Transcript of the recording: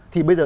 thì bây giờ